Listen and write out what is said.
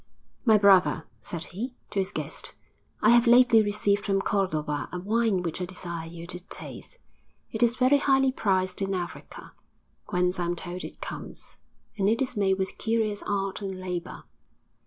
'My brother,' said he, to his guest, 'I have lately received from Cordova a wine which I desire you to taste. It is very highly prized in Africa, whence I am told it comes, and it is made with curious art and labour.'